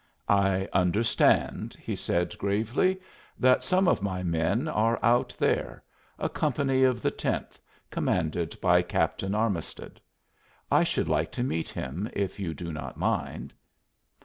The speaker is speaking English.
"I understand," he said, gravely, "that some of my men are out there a company of the Tenth, commanded by Captain Armisted. I should like to meet him if you do not mind."